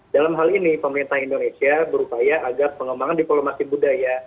dalam hal ini pemerintah indonesia berupaya agar pengembangan diplomasi budaya